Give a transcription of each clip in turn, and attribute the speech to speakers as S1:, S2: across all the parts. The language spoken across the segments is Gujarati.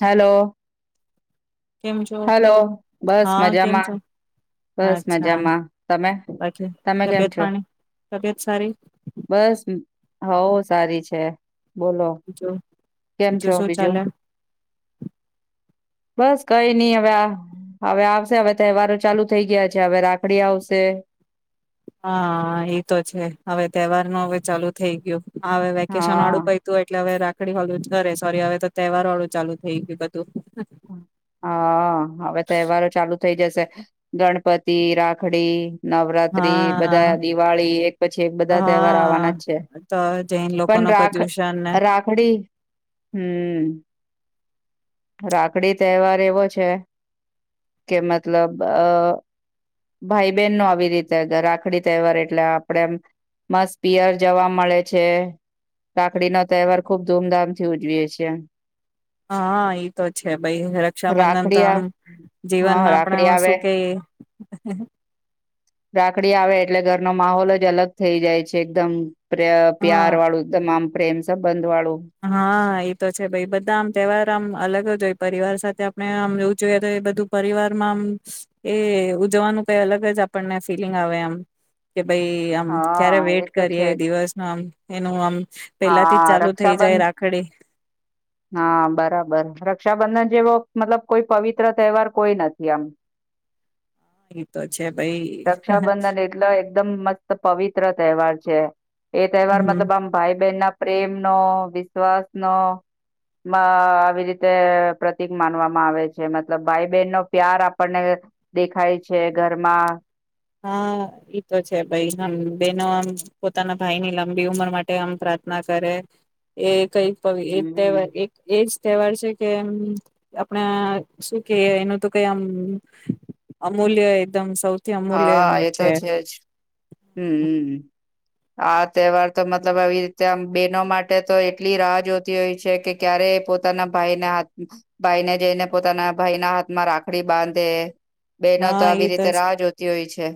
S1: હેલો.
S2: કેમ છો?
S1: હલો, બસ
S2: હા કેમ છો?
S1: મજામાં, બસ
S2: અચ્છા
S1: મજામાં, તમે,
S2: બાકી
S1: તમે કેમ
S2: તબિયત
S1: છો?
S2: પાણી તબિયત સારી
S1: બસ હવ, સારી છે. બોલો,
S2: બીજું
S1: કેમ છો
S2: શું
S1: બીજું?
S2: ચાલે?
S1: બસ કઈ નઈ હવે આ, હવે આવશે હવે તેહવારો ચાલુ થઈ ગયા છે, હવે રાખડી આવશે
S2: હા એ તો છે હવે તેહવાર નો હવે ચાલુ થઈ ગ્યો. હવે વેકેશન
S1: હા
S2: વાળું પયતું એટલે હવે રા ખડી વાલુ જ કરે સોરી હવે તો તહેવાર વાળું ચાલુ થઈ ગ્યું બધું.
S1: હા હવે તેહવારો ચાલુ થઈ જશે, ગણપતિ, રાખડી નવરાત્રી બધા,
S2: હા
S1: દિવાળી એક પછી એક બધા તેહવાર આવવાના જ છે
S2: હા તો જૈન લોકો
S1: પણ
S2: ન
S1: રાખ
S2: પ્રદુષણ ને
S1: રાખડી, હમ્મ. રાખડી તહેવાર એવો છે, કે મતલબ અ, ભાઈ બહેન નો આવી રીતે રાખડી તહેવાર એટલે આપડેમ મસ્ત પિયર જવા મળે છે, રાખડી નો તહેવાર ખુબ ધૂમધામ થી ઉજવીએ છીએ.
S2: હા. એ તો છે ભઈ, રક્ષાબંધન તો
S1: રાખડી આ
S2: આમ
S1: હા
S2: જીવનમાં
S1: રાખડી
S2: આપણા
S1: આવે
S2: શું કે
S1: નો માહોલ જ અલગ થઈ જાય છે એકદમ. પ્ર
S2: હા
S1: પ્યાર વાળું એકદમ આમ પ્રેમ સબંધ વાળુ
S2: હા એતો છે ભાઈ બધા આમ તહેવાર આમ અલગ જ હોય. પરિવાર સાથે આપણે આમ જવું જોઈએ તો એ બધું પરિવારમાં આમ એ ઉજવવાનું કઈ અલગ જ આપણને ફિલિંગ આવે એમ કે ભાઈ આમ ક્યારે
S1: હા
S2: વેટ
S1: એ તો
S2: કરીએ
S1: છે જ
S2: દિવસનો આમ એનું આમ પેલાથી જ
S1: હા
S2: ચાલુ થઈ જાય
S1: રક્ષાબંધ
S2: રાખડી
S1: હા બરાબર રક્ષાબંધન જે જેવો મતલબ કોઈ પવિત્ર તહેવાર કોઈ નથી આમ
S2: એતો છે ભાઈ
S1: રક્ષાબંધન એટલે એકદમ મ પવિત્ર તહેવાર છે. એ તહેવાર
S2: હમ
S1: મતલબ આમ ભાઈ બહેન ના પ્રેમનો વિશ્વાસનો આવી રીતે પ્રતિક માનવામાં આવે છે મતલબ ભાઈ બહેન નો પ્યાર આપણને દેખાય છે ઘરમાં
S2: હા એ તો છે ભાઈ આ બેનો આમ પોતાના ભાઈની લંબી ઉંમર માટે આમ પ્રાર્થના કરે એ કઈ પ એ તહેવાર
S1: હમ
S2: એક એજ તહેવાર છે કે એમ આપણે શું કે એ એનું તો કઈમ અમૂલ્ય એકદમ સૌ
S1: હા એ તો છે જ હમ આ તહેવાર તો મતલબ આવી રીતે આમ બેહેનો માટે તો એટલી રાહ જોતી હોય છે કે ક્યારે પોતાના ભાઈના હાથ ભાઈને જઈને પોતાના ભાઈના હાથમાં રાખડી બાંધે બેનો તો
S2: હા
S1: આવી
S2: એ
S1: રીતે
S2: જ
S1: રા જોય છે.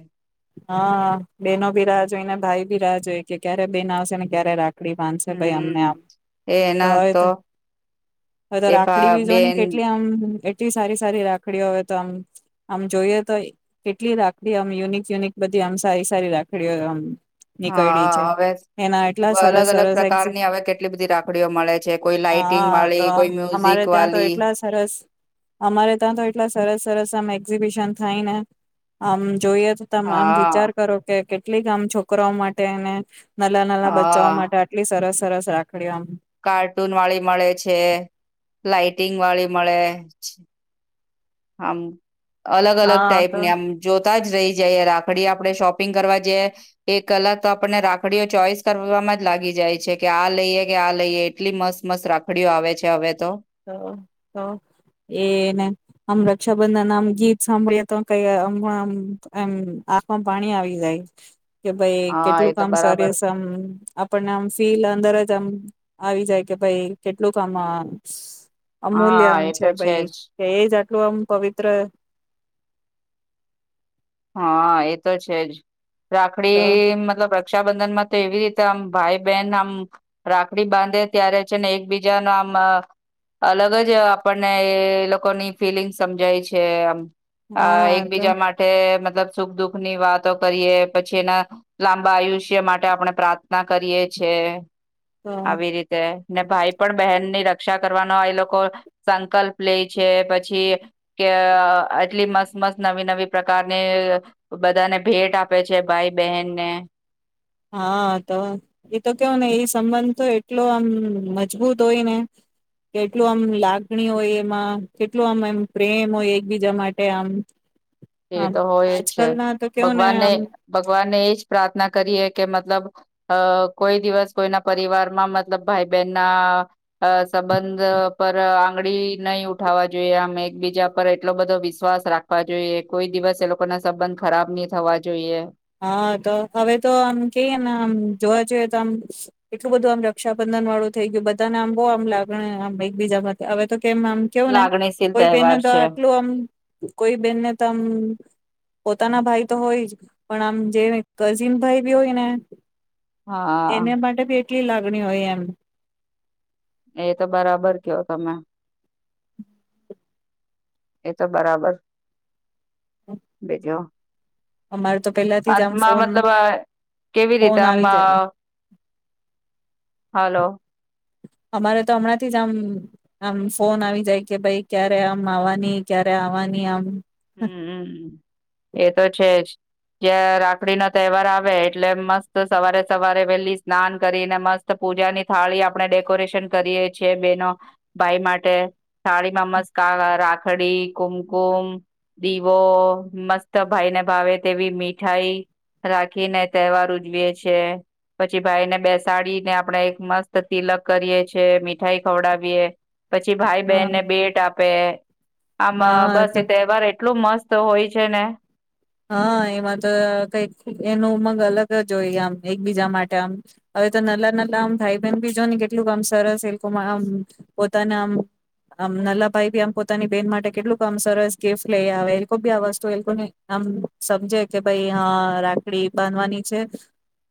S2: હા બેનો ભી રાહ જોઈને ભાઈ ભી રાહ જોઈ કે ક્યારે બેન આવશે ને ક્યારે રાખ રાખડી બાંધશે ભાઈ અમને
S1: હમ
S2: આમ
S1: એના તો
S2: હવે હવે તો
S1: એ
S2: રાખડી
S1: ભા
S2: બી જોની
S1: બેન
S2: કેટલી આમ સારી સારી રાખડીઓ હવે તો આમ આમ જોઈએ તો કેટલી રાખડી આમ યુનિક યુનિક બધી આમ સારી સારી રાખડીઓ આમ નીકળી છે
S1: હા હવે
S2: એના એટલા સરસ
S1: અલગ અલગ
S2: સરસ એક્ઝ
S1: પ્રકારની હવે કેટલી બધી રાખડીઓ મળે છે કોઈ લાાઈટિંગ
S2: હા
S1: વાળી
S2: તો
S1: કોઈ મ્યુઝિક
S2: અમારે ત્યાં તો
S1: વાલી
S2: એટલા સરસ અમારે ત્યાં તો એટલા સરસ સરસ અમે એઝબિશન થાયને આમ જોઈએ તો તમે આમ વિચાર
S1: હા
S2: કરો કે કેટલી આમ છોકરાઓ માટેને નલા નાલા બચ્ચઓ
S1: હા
S2: માટે આટલી સરસ સરસ રાખડી આમ
S1: કાર્ટૂન વાળી મળે છે લાઇટિંગ વાળી મળે છે. હમ અલગ અલગ
S2: હા તો
S1: ટાઈપને આમ જોતા જ રહી જાય રાખ રાખડી આપડણે શોપિંગ કરવા જેઈએ એક કલાક તો આપણને રાખડીઓ ચોઈસ કરવામાં જ લાગી જાય છે કે આ લઈએ કે આ લઈએ એટલી મસ્ત મસ્ત રાખડીઓ આવે છે હવે તો
S2: તો તો એને આમ રક્ષાબંધન આમ ગીત સાંભળીએ તો કઈમ એમ આંખમાં પાણી આવી જાય. કે ભાઈ
S1: હા એ
S2: કેટલું
S1: તો
S2: કામ
S1: બરાબર
S2: સરીસ આમ આપણને આમ ફીલ અંદર જ આમ આવી જાય કે ભાઈ કેટલું કામ [inaudible]
S1: હા
S2: અમૂલ્યમ
S1: એ
S2: છે
S1: તો
S2: ભાઈ
S1: જ
S2: કે એ જ શું આમ પવિત્ર
S1: હા એ તો છે જ!
S2: તો
S1: રાખડી મતલબ રક્ષાબંધન માં તો એવી રીતે આમ ભાઈ બહેન આમ રાખડી બાંધે ત્યારે છે ને, એકબીજાને આમ અલગ જ આપણને લોકોની ફિલિંગ સમજાય છે. આમ અ
S2: હા તો
S1: એકબીજા માટે મતલબ સુખ દુઃખ ની વાતો કરીએ. પછી એના લાંબા આયુષ્ય માટે આપણે પ્રાર્થના કરીએ છે.
S2: તો
S1: આવી રીતે ને ભાઈ પણ બહેનની ર રક્ષા કરવાનો એ લોકો સંકલ્પ લે છે, પછી કે એટલી મસ્ત મસ્ત નવી નવી પ્રકાર અને બધાને ભેટ આપે છૈ. ભાઈ બહેનને
S2: હા તો એતો કેવો ને એ સંબંધ તો એટલો આમ, મજબૂત હોય ને કે, કેટલું આમ લાગણી હોય, એમાં કેટલું આમ એમ પ્રેમ હોય એકબીજા માટે આમ
S1: એ
S2: આમ
S1: તો હોય જ છે,
S2: આજકાલ ના તો કેવું ને
S1: ભગવાનને
S2: આમ
S1: ભગવાનને એજ પ્રાર્થના કરીએ કે, મતલબ અ કોઈ દિવસ કોઈના પરિવારમાં, મતલબ ભાઈ બહેન ના સંબંધ પર આંગળી નહી ઉઠાવવા જોઈએ. આમ એકબીજા પર એટલો બધો વિશ્વાસ રાખવા જોઈએ. કોઈ દિવસ એ લોકો ના સંબંધ ખરાબ નહી થવા જોઈએ.
S2: હા તો હવે તો આમ કહીએ ને આમ જોવા જઈએ આમ એટલું બધું, આમ રક્ષાબંધન વાળું થઈ ગયું. બધાને આમ બહુ આમ લાગણી આમ એકબીજા હવે તો કેમ આમ કેવું ને,
S1: લાગણીશીલ
S2: કોઈ બેન
S1: તહેવાર
S2: તો
S1: છે
S2: આટલું આમ કોઈ બેનને તો આમ પોતાના ભાઈ તો હોય જ પણ આમ જે કઝિન ભાઈ બી હોય ને
S1: હા
S2: એને માટેે બે કેટલી લાગણી હોય એમ.
S1: એતો બરાબર કયો તમે એતો બરાબર એ જો
S2: અમાર
S1: અત્માં મતલબ કેવી રીતે
S2: ફોન
S1: આ મ
S2: આવી જાય
S1: હાલો,
S2: અમારે તો હમણાં થી જ આમ, આમ ફોન આવી જાય કે, ભાઈ ક્યારે આમ આવવાની ક્યારે આવવાની આમ
S1: હમ હમ, એ તો છે જ જ રાખડી નો તહેવાર આવે, એટલે મસ્ત સવારે સવારે વેલી સ્નાન કરીને મસ્ત પૂજાની થાળી આપણે ડેકોરેશન કરીયે છીએ બેનો ભાઈ માટે થાળીમાં મસ્ત રાખડી, કુમકુમ દીવો મસ્ત ભાઈને ભાવે તેવી મીઠાઈ રાખીને તહેવાર ઉજવીએ છે. પછી ભાઈને બેસાડીને આપણે એક મસ્ત તિલક કરીએ છે. મીઠાઈ ખવડાવીએ પછી ભાઈ
S2: હા
S1: બહેનને ભેટ આપે. પે આમાં
S2: હા
S1: બસ
S2: તો
S1: એક તહેવાર એટલો મસ્ત હોય છે ને,
S2: હા એમાં તો કઈક એનો ઉમંગ અલગ જ હોઈ, આમ એકબીજા માટે આમ હવે તો નલા નલા ભાઈ બહેન ભી જો ને, કેટલુંક કમ સરસ એ લોકો આમ પોતાના આમ આમ નલા ભાઈ બી આમ પોતાની બેહેન માટે કેટલુંક કમ સરસ ગિફ્ટ લઈ આવે, એ લોકો ભી આ વસ્તુ એ લોકોને આમ સમજે કે ભાઈ હા રાખડી બાંધવાની છે.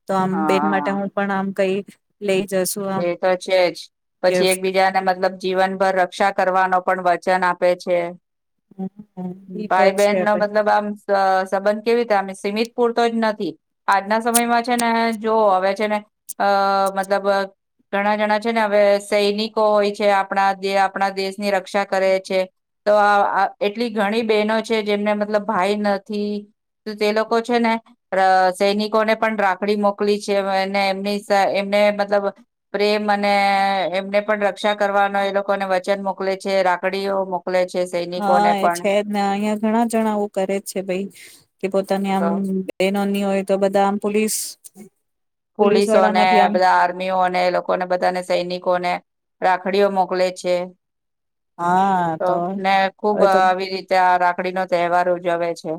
S2: તો આમ બેન માટે
S1: હા
S2: હું પણ આમ કઈ લે
S1: એ તો છે જ પછી એકબીજાને મતલબ જીવનભર રક્ષા કરવાનો પણ વચન આપે છે.
S2: એ તો
S1: ભાઈ
S2: છે
S1: બહેનનો મતલબ આમ સ સંબંધ કેવી રીતે અમે સીમિત પૂરતો જ નથી આજના સમયમાં છે ને જો હવે છે ને અ મતલબ ઘણા જણા છે ને હવે સૈનિકો હોય છે આપણા આપણા દેશની રક્ષા કરે છે તો અ એટલી ઘણી બહેનો છે જેમને મતલબ ભાઈ નથી તે લોકો છે ને અ સૈનિકોને પણ રાખડી મોકલી છે એમની સ એમને મતલબ પ્રેમ અને એમને પણ રક્ષા કરવાનો એ લોકોને વચન મોકલે છે રાખડીઓ મોક
S2: હા એ છે જ ને અહિયાં ઘણા જણા આવું કરે જ છે ભાઈ કે પોત તને આમ
S1: તો
S2: નાની હોય તો બધા આમ પોલીસ પોલીસ
S1: પોલીસોને
S2: વાળાના ભી આમ
S1: બધા આર્મીઓને એ લોકોને બધાને સૈનિકોને રાખડીઓ મોકલે છે. તો ને ખુબ
S2: હવે તો
S1: આવી રીતે આ રાખ રાખડીનો તહેવાર ઉજવે છે.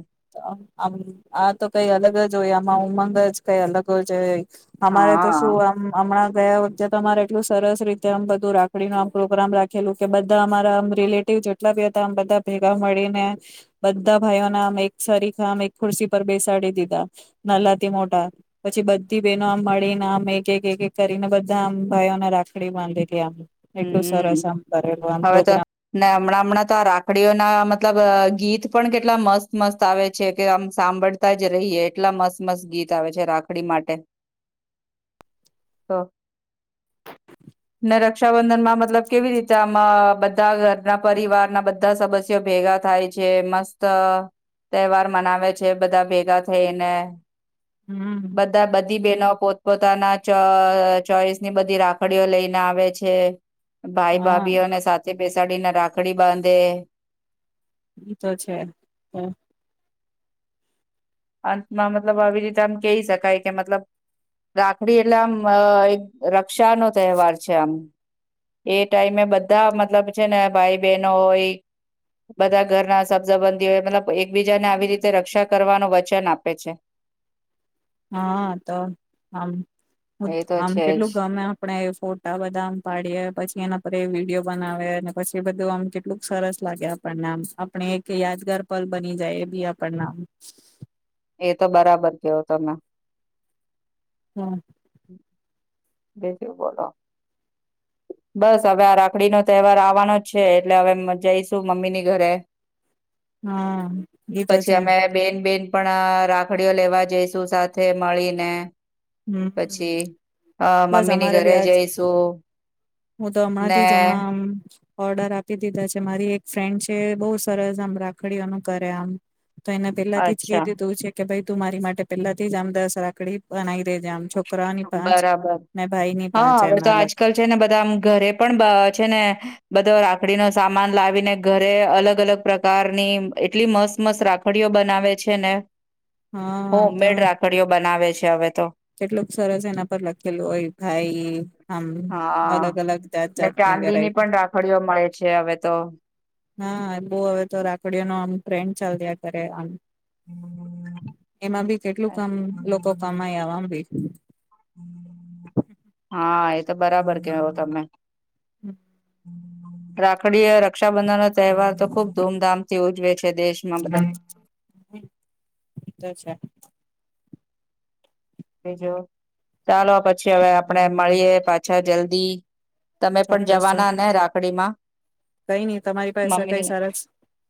S2: આમ આ તો કઈ અલગ જ હોય આમાં ઉમંગ જ કઈ અલગ જ હોય. અમારે તો
S1: હા
S2: શું હમણાં ગયા વખતે તો અમારે એટલું સરસ રીતે આમ બધું રાખડીનો આમ પ્રોગ્રામ રાખેલું કે બધા અમારા આમ રિલેટિવ જેટલા બી હતા આમ બધા ભેગા મળીને બધા ભાઈઓના આમ એક સરીખા આ એક ખુરશી પર બેસાડી દીધા નાલાથી મોટા પછી બધી બહેનો આમ મળીને આમ એક એક એક કરીને બધા આમ ભાઈઓને રાખડી બાંધી તી એમ
S1: હમ્મ, હવે તો
S2: પ્રોગ્રામ
S1: ને હમણાં હમણાં તો આ રાખ રાખડીઓ ના મતલબ ગીત પણ કેટલા મસ્ત મસ્ત આવે છે કે આમ સાંભળતા જ રહીએ એટલા મસ્ત મસ્ત ગીત આવે છે રાખડી માટે તો ને રક્ષાબંધન માં મતલબ કેવી રીતે આમ બધા ઘરના પરિવારના બધા સદસ્યો ભેગા થાય છે મસ્ત તહેવાર મનાવે છે બધા ભેગા થઈને
S2: હમ્મ.
S1: બધા બધી બહેનો પોતપોતાના ચ ચોઈસની બધી રાખડીઓ લઈને આવે છે. છે. ભાઈ
S2: હા
S1: ભાભીઓને સાથે બેસાડીને રાખડી બાંધે.
S2: ઈ તો છે હમ્મ.
S1: અંતમાં મતલબ આવી રીતે આમ કેય શકાય કે મતલબ રાખડી એટલે આમ અ એક રક્ષાનો તહેવાર છે આમ એ ટાઈમે બધા મતલબ છે ને ભાઈ બહેનો હોય બધા ઘરના સબ સંબંધી હોય મતલબ એકબીજા ને આવી રીતે રક્ષા કરવાનું વ ચન આપે છે.
S2: હા તો આમ
S1: એ તો
S2: આમ
S1: છે જ
S2: કેટલું ગમે આપણેે ફોટા બધા આમ પાડીએ પછી એના પર એ વિડીયો બનાવે અને પછી બધું આમ કેટલુંક સરસ લાગે આપણને આમ આપણે એક યાદગાર પલ બની જાય એ બી આપણને આમ
S1: એ તો બરાબર કેવો તમે.
S2: હા.
S1: બીજું બોલો, બસ હવે આ રાખડી નો તહેવાર આવવાનો જ છે એટલે હવે જઈશું મમ્મીની ઘરે.
S2: હા, એતો
S1: પછી
S2: છે.
S1: અમે બેન બેન પણ રાખડીઓ લેવા જઈશું, સાથે મળીને.
S2: હમ
S1: પછી અ
S2: બસ
S1: મમ્મીની
S2: અમારે
S1: ઘરે
S2: બી આજ
S1: જઈશું.
S2: હું તો હમણાં
S1: ને
S2: થી જ, હમણાં આમ ઓર્ડર આપી દીધા છે. મારી એક ફ્રેન્ડ છે, બહુ સરસ આમ રાખડીઓનું કરે આમ. તો એને પેલાથી જ કહી
S1: અચ્છા
S2: દીધું છે કે, ભાઈ તું મારી માટે પેલાથી જ આમ દસ રાખડી બનાવી દેજે આમ છોકરાઓની પાંચ
S1: બરાબર,
S2: ને ભાઈ ની
S1: હા.
S2: પાંચ
S1: હવે
S2: એમ
S1: તો
S2: અલગ
S1: આજકલ છે ને, બધા આમ ઘરે પણ છે ને, બધો રાખડી નો સામાન લાવીને ઘરે અલગ- અલગ પ્રકારની એટલી મસ્ત-મસ્ત રાખડીઓ બનાવે છે ને.
S2: હા તો
S1: હોમમેડ રાખડીઓ બનાવે છે હવે તો.
S2: કેટલુંક સરસ એના પર લખેલું હોય, ભાઈ. આમ
S1: હા
S2: અલગ- અલગ જાત
S1: ને
S2: જાતની
S1: ચાંદીની
S2: વેરાયટી.
S1: પણ રાખડીઓ મળે છે હવે તો
S2: હા, બહુ હવે તો રાખડીઓ નો ટ્રેન ચાલ રહ્યા કરેએ. એમાં ભી કેટલું કામ લોકો કમાય [unintelligible]
S1: હા એ તો બરાબર, કેવો તમે.
S2: હમ.
S1: રાખડીય રક્ષાબંધન જ તહેવાર તો ખુબ ધૂમધામ થી ઉજવે છે દેશમાં બધા
S2: તો છે.
S1: બીજુ, ચાલો. પછી હવે આપણેે મળીએ પાછા જલ્દી તમે પણ જવાના ને રાખ રાખડીમાં
S2: કંઈ નહીં. તમારી પાસે કંઈ
S1: મમ્મીની
S2: સરસ,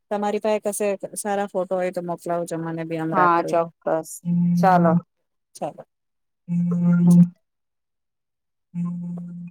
S2: તમારી પાસે કશે સારા ફોટો હોય, તો મોકલો. [unintelligible]
S1: હા, ચોક્કસ, ચાલો.
S2: ચાલો.
S1: હમ.